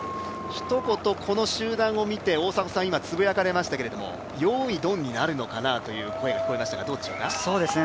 ひと言、この集団を見て大迫さん、つぶやきましたけどよーいどんになるのかなという声が聞こえましたがどうでしょうか。